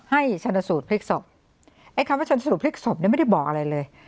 ชนสูตรพลิกศพไอ้คำว่าชนสูตรพลิกศพเนี่ยไม่ได้บอกอะไรเลย